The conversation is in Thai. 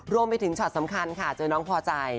รวมไปถึงช็อตสำคัญค่ะเจอน้องพอใจ